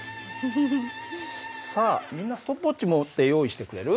さあみんなストップウォッチ持って用意してくれる？